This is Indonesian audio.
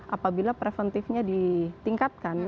apabila preventifnya ditingkatkan